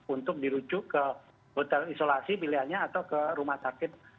untuk dirujuk ke hotel isolasi pilihannya atau ke rumah sakit